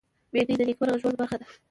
بېنډۍ د نېکمرغه ژوند برخه ده